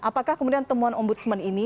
apakah kemudian temuan ombudsman ini